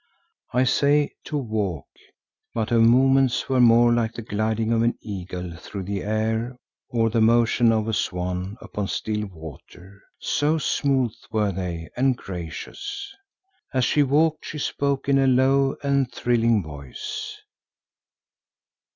I say, to walk, but her movements were more like the gliding of an eagle through the air or the motion of a swan upon still water, so smooth were they and gracious. As she walked she spoke in a low and thrilling voice.